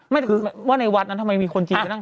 ไม่คือว่าในวัดนั้นทำไมมีคนจีนก็นั่งขาย